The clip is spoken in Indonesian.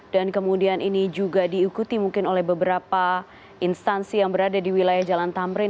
dan kemudian ini juga diikuti mungkin oleh beberapa instansi yang berada di wilayah jalan tamrin